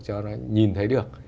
cho nó nhìn thấy được